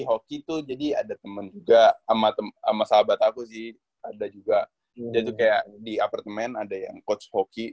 hoki tuh jadi ada teman juga sama sahabat aku sih ada juga itu kayak di apartemen ada yang coach hoki